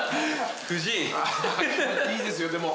いいですよでも。